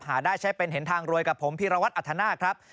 ได้ใช้เป็นเห็นทางรวยกับผมพีรวัตรอัธนาคครับ